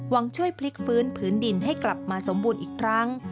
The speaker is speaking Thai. ช่วยพลิกฟื้นผืนดินให้กลับมาสมบูรณ์อีกครั้ง